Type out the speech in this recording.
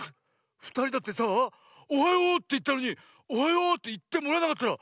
ふたりだってさあ「おはよう」っていったのに「おはよう」っていってもらえなかったらこんなさみしいことってないよね？